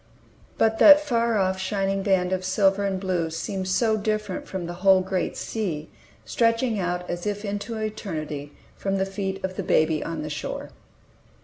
But that far off, shining band of silver and blue seemed so different from the whole great sea, stretching out as if into eternity from the feet of the baby on the shore!